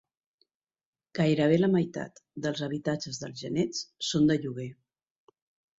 Gairebé la meitat dels habitatges dels genets són de lloguer.